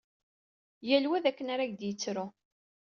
Yal wa d akken ar ak-d-yettru!